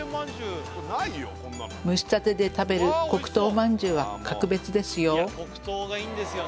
蒸したてで食べる黒糖まんじゅうは格別ですよ